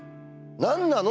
何なの？